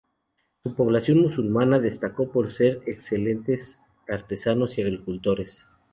Su población musulmana destacó por ser excelentes artesanos y agricultores.